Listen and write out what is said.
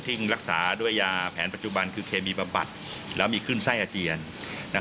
ซึ่งรักษาด้วยยาแผนปัจจุบันคือเคมีบำบัดแล้วมีขึ้นไส้อาเจียน